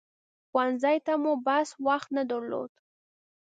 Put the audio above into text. ښوونځي ته مو بس وخت نه درلود.